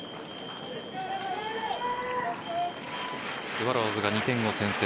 スワローズが２点を先制。